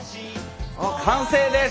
完成です！